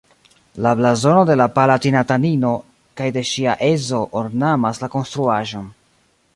La blazono de la palatinatanino kaj de ŝia edzo ornamas la konstruaĵon.